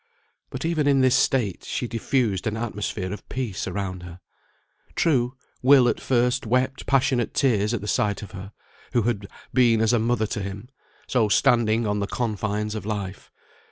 But even in this state she diffused an atmosphere of peace around her. True, Will, at first, wept passionate tears at the sight of her, who had been as a mother to him, so standing on the confines of life.